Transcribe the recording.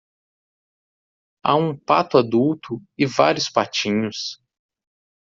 Há um pato adulto e vários patinhos.